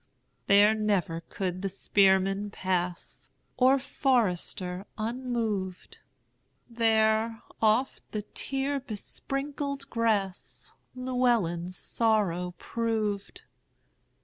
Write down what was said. There never could the spearman pass, Or forester, unmoved; There oft the tear besprinkled grassLlewelyn's sorrow proved.